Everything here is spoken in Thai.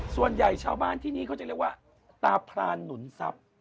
ชาวบ้านที่นี่เขาจะเรียกว่าตาพรานหนุนทรัพย์